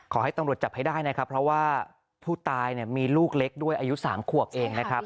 ขอให้ตำรวจจับให้ได้นะครับเพราะว่าผู้ตายเนี่ยมีลูกเล็กด้วยอายุ๓ขวบเองนะครับ